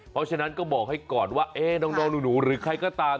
เพราะฉะนั้นก็บอกให้ก่อนว่าน้องหนูหรือใครก็ตาม